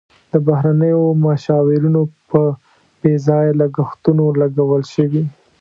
د بهرنیو مشاورینو په بې ځایه لګښتونو لګول شوي.